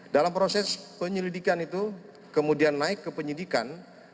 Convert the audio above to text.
dalam proses penyelidikan itu kemudian naik ke penyidikan